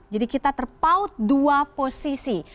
kita terpaut dua posisi